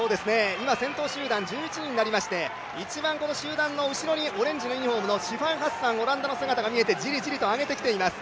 今先頭集団１１人になりまして一番集団の後ろにオレンジのユニフォームのシファン・ハッサン、オランダの姿が見えてじりじりと上げてきています。